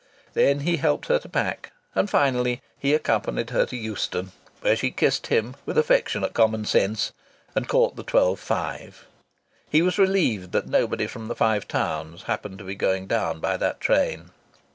Then he helped her to pack, and finally he accompanied her to Euston, where she kissed him with affectionate common sense and caught the twelve five. He was relieved that nobody from the Five Towns happened to be going down by that train.